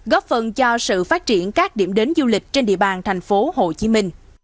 góp phần cho sự phát triển các điểm đến du lịch trên địa bàn tp hcm